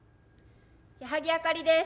矢作あかりです。